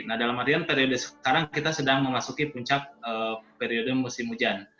nah dalam artian periode sekarang kita sedang memasuki puncak periode musim hujan